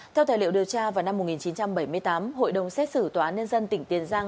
theo tài liệu điều tra vào năm một nghìn chín trăm bảy mươi tám hội đồng xét xử tòa án nhân dân tỉnh tiền giang